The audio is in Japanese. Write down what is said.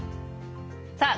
さあ